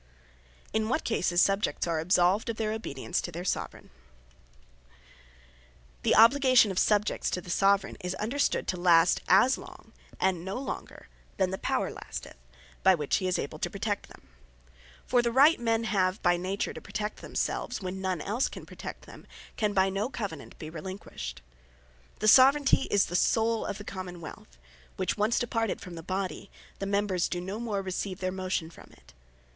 In What Cases Subjects Absolved Of Their Obedience To Their Soveraign The Obligation of Subjects to the Soveraign is understood to last as long, and no longer, than the power lasteth, by which he is able to protect them. For the right men have by Nature to protect themselves, when none else can protect them, can by no Covenant be relinquished. The Soveraignty is the Soule of the Common wealth; which once departed from the Body, the members doe no more receive their motion from it.